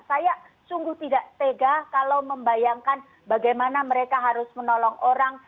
saya sungguh tidak tega kalau membayangkan bagaimana mereka harus menolong orang